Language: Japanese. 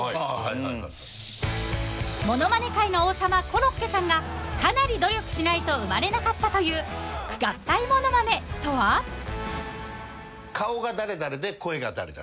［物まね界の王様コロッケさんがかなり努力しないと生まれなかったという合体モノマネとは？］えっ！？